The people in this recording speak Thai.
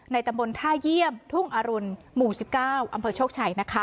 ในตำบลท่าเยี่ยมทุ่งอรุณหมู่สิบเก้าอำเภอโชคชัยนะคะ